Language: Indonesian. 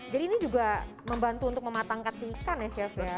jadi ini juga membantu untuk mematangkan si ikan ya chef ya